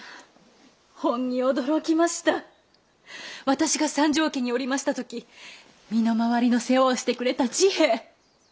私が三条家におりました時身の回りの世話をしてくれた治平。